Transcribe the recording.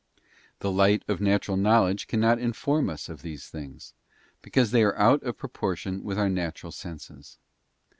The light of natural knowledge cannot inform us of these things, because they are out of proportion with our natural senses.